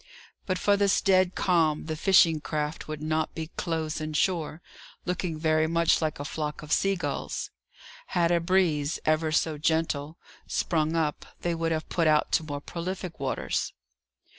But for this dead calm, the fishing craft would not be close in shore, looking very much like a flock of sea gulls. Had a breeze, ever so gentle, sprung up, they would have put out to more prolific waters.